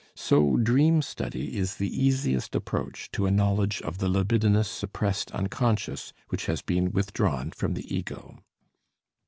So dream study is the easiest approach to a knowledge of the libidinous suppressed unconscious which has been withdrawn from the ego.